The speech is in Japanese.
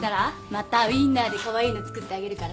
またウインナーでカワイイの作ってあげるからさ。